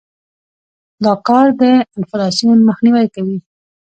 دا کار د انفلاسیون مخنیوى کوي.